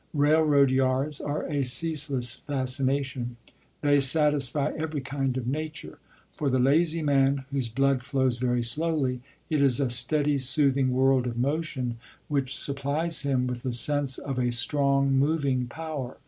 Railroad yards are a ceaseless fascination. They satisfy every kind of nature. For the lazy man whose blood flows very slowly, it is a steady soothing world of motion which supplies him with the sense of a strong moving power.